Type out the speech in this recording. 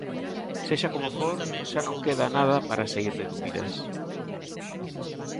Sexa como for, xa non queda nada para saír de dúbidas.